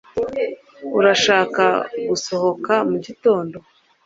Urashaka gusohoka mugitondo?